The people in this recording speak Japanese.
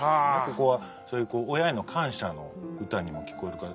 ここはそういう親への感謝の歌にも聞こえるから。